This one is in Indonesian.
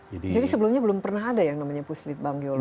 jadi sebelumnya belum pernah ada yang namanya puslitbang geologi ya